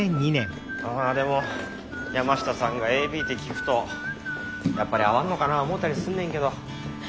ああでも山下さんがＡＢって聞くとやっぱり合わんのかな思うたりすんねんけど。